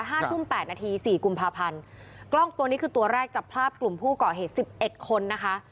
ห้าทุ่มแปดนาทีสี่กุมภาพันธ์กล้องตัวนี้คือตัวแรกจับภาพกลุ่มผู้ก่อเหตุสิบเอ็ดคนนะคะ